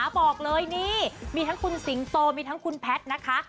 บอกเลยนี่มีทั้งคุณสิงโตมีทั้งคุณแพทย์นะคะ